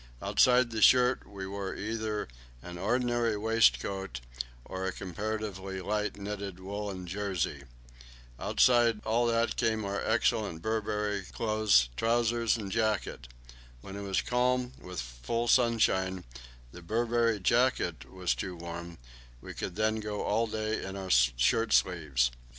Outside the shirt we wore either an ordinary waistcoat or a comparatively light knitted woollen jersey. Outside all came our excellent Burberry clothes trousers and jacket. When it was calm, with full sunshine, the Burberry jacket was too warm; we could then go all day in our shirt sleeves.